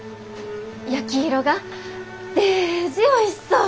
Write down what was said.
焼き色がデージおいしそう。